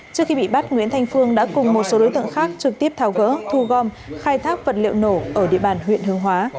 trước khi bị bắt nguyễn thanh phương đã cùng một số đối tượng khác trực tiếp tháo gỡ thu gom khai thác vật liệu nổ ở địa bàn huyện hương hóa